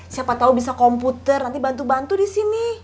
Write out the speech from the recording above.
siapa tau bisa komputer nanti bantu bantu disini